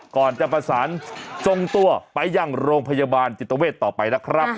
ก่อนจะประสานส่งตัวไปยังโรงพยาบาลจิตเวทต่อไปนะครับ